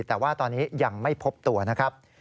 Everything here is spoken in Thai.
แต่ว่าตอนนี้ยังไม่พบตัวนะครับ